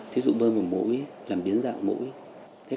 thí dụ bơm một mũi làm biến dạng mũi